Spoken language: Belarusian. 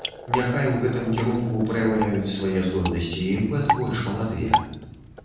Няхай у гэтым кірунку праяўляюць свае здольнасці і імпэт больш маладыя.